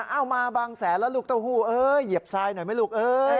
เอามาบางแสนแล้วลูกเต้าหู้เอ้ยเหยียบทรายหน่อยไหมลูกเอ้ย